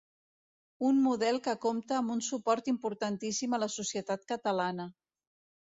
Un model que compta amb un suport importantíssim a la societat catalana.